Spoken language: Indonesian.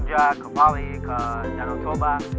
ke jogja bali dan eropa